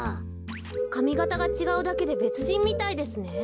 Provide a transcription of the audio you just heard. かみがたがちがうだけでべつじんみたいですね。